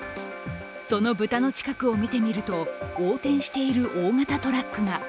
その豚の近くを見てみると、横転している大型トラックが。